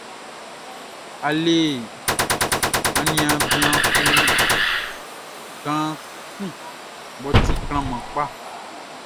A le aniaan bian kaan kun mʼɔ ti klanman kpaʼn.